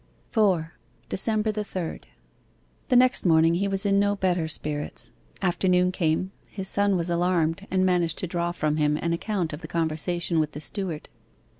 4. DECEMBER THE THIRD The next morning he was in no better spirits. Afternoon came: his son was alarmed, and managed to draw from him an account of the conversation with the steward.